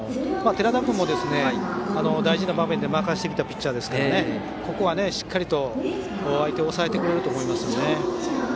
寺田君も、大事な場面で任せてきたピッチャーなのでここはしっかりと相手を抑えてくれると思います。